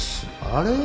あれ？